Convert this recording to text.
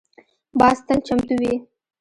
باز تل چمتو وي